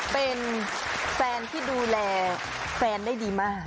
เป็นแฟนที่ดูแลแฟนได้ดีมาก